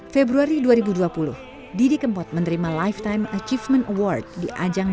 februari dua ribu dua puluh didi kempot menerima lifetime achievement award di ajang